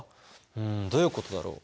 うんどういうことだろ？